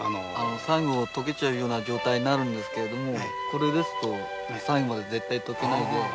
最後溶けちゃうような状態になるんですけれどもこれですと最後まで絶対溶けないで。